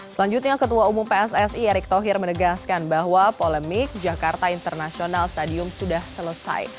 selanjutnya ketua umum pssi erick thohir menegaskan bahwa polemik jakarta international stadium sudah selesai